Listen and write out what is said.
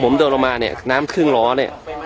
ผมเดินออกมาเนี่ยน้ำครึ่งล้อเนี่ย